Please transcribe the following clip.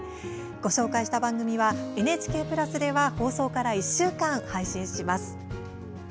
ご紹介した番組はＮＨＫプラスでは放送から１週間、配信します。